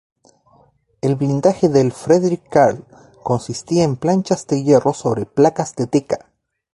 El blindaje del "Friedrich Carl" consistía en planchas de hierro sobre placas de teca.